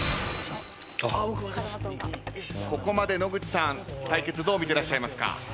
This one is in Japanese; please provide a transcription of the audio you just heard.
ここまで野口さん対決どう見てらっしゃいますか？